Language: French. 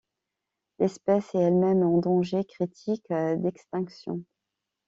L'espèce est elle-même en danger critique d'extinction.